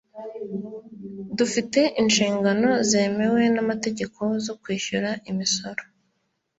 Dufite inshingano zemewe n'amategeko zo kwishyura imisoro.